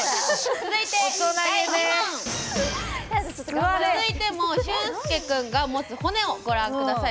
続いてもしゅんすけ君が持つ骨をご覧ください。